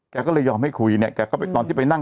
แกก็เลยยอมให้คุยเนี่ยแกก็ไปตอนที่ไปนั่ง